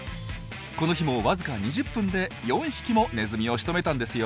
この日もわずか２０分で４匹もネズミをしとめたんですよ。